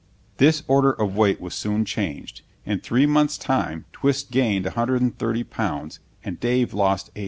This order of weight was soon changed. In three months' time Twist gained 130 pounds and Dave lost 80.